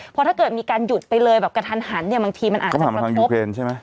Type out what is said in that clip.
เพราะถ้าเกิดมีการหยุดไปเลยแบบกระทันหันเนี้ยบางทีมันอาจจะกระทบก็ผ่านมาทางยูเครนใช่ไหม